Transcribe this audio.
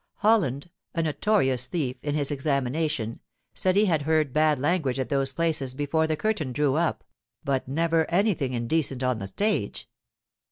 Holland, a notorious thief, in his examination, said he had heard bad language at those places before the curtain drew up, but never any thing indecent on the stage.